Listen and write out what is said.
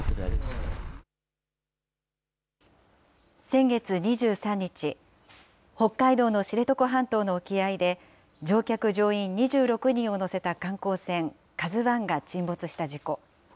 先月２３日、北海道の知床半島の沖合で、乗客・乗員２６人を乗せた観光船ＫＡＺＵＩが沈没した事故。